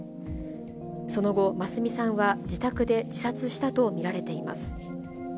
その後、眞澄さんは自宅で自殺したと見られています。